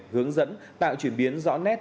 hướng dẫn tạo chuyển biến rõ nét